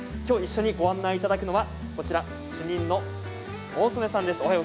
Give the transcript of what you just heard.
きょう一緒にご案内いただくのがこちら、主任の大曽根さんです。